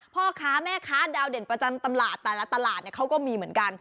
พ่อค้าแม่ค้าดาวเด่นประจำตลาดแต่ละตลาดเขาก็มีเหมือนกัน